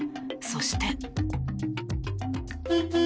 そして。